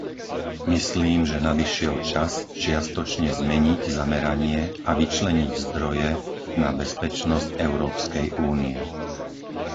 Myslím, že nadišiel čas čiastočne zmeniť zameranie a vyčleniť zdroje na bezpečnosť Európskej únie.